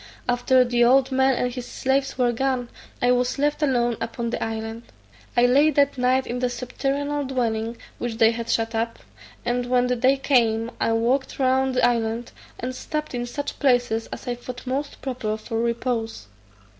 After the old man and his slaves were gone, I was left alone upon the island. I lay that night in the subterranean dwelling, which they had shut up, and when the day came, I walked round the island, and stopped in such places as I thought most proper for repose.